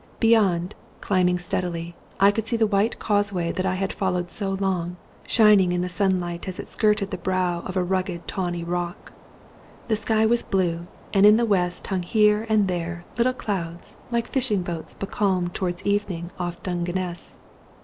Beyond, climbing steadily, I could see the white causeway that I had followed so long, shining in the sunlight as it skirted the brow of a rugged tawny rock. The sky was blue and in the west hung here and there little clouds like fishing boats becalmed to wards evening off Dungeness.